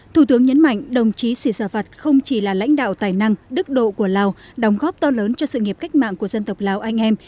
thủ tướng nhấn mạnh đồng chí sĩ dạ vạt không chỉ là lãnh đạo tài năng đức độ của lào đóng góp to lớn cho sự nghiệp cách mạng của dân tộc lào anh em